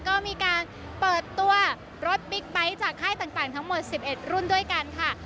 ก็มีการเปิดตัวรถบิ๊กไบท์จากค่ายต่างทั้งหมด๑๑รุ่นด้วยกันค่ะ